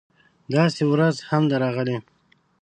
داسې ورځ هم ده راغلې